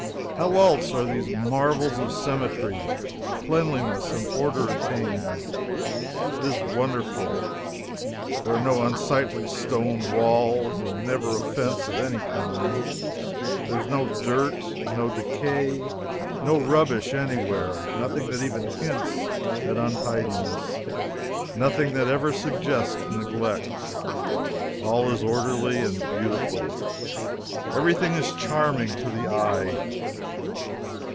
How else are these marvels of symmetry, cleanliness, and order attained? It is wonderful. There are no unsightly stone walls and never a fence of any kind. There is no dirt, no decay, no rubbish anywhere nothing that even hints at untidiness nothing that ever suggests neglect. All is orderly and beautiful every thing is charming to the eye.